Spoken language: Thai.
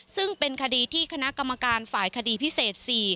ซึ่งเป็นคดีที่คณะกรรมการฝ่ายคดีพิเศษ๔